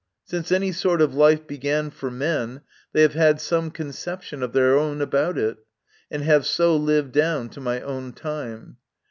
Since any sort of life began for men, they have had some conception of their own about it, and have so lived down to my own time.